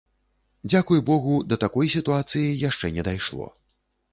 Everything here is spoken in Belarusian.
Дзякуй богу, да такой сітуацыі яшчэ не дайшло.